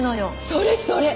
それそれ！